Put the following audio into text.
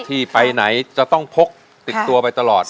ที่ไปไหนจะต้องพกติดตัวไปตลอด